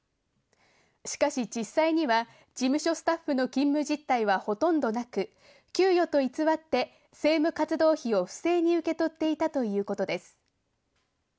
しかし実際には事務所スタッフの勤務実態はほとんどなく、給与と偽って政務活動費を不正に受け取っていたということです。